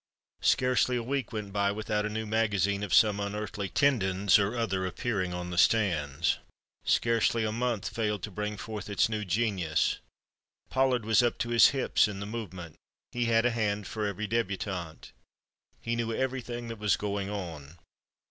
Scarcely a week went by without a new magazine of some unearthly Tendenz or other appearing on the stands; scarcely a month failed to bring forth its new genius. Pollard was up to his hips in the movement. He had a hand for every débutante. He knew everything that was going on.